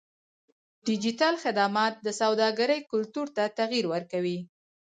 ډیجیټل خدمات د سوداګرۍ کلتور ته تغیر ورکوي.